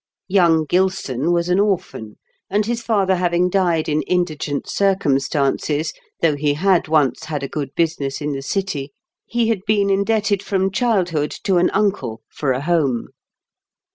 Young Gilson was an orphan, and his father having died in indigent circumstances, though he had once THE DOOMED OF TEE DARK ENTRY. 183 had a good business in the city, he had been indebted from childhood to an uncle for a home.